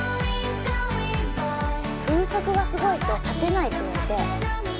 風速がすごいと立てないって言われて。